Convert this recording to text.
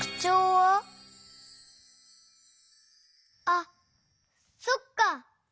あっそっか！